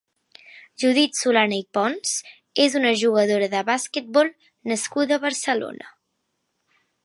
Judith Solana i Pons és una jugadora de basquetbol nascuda a Barcelona.